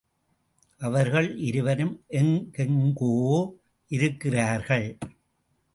அவர்கள் இருவரும் எங்கெங்கோ இருக்கிறார்கள்.